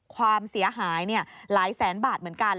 ความเสียหายหลายแสนบาทเหมือนกัน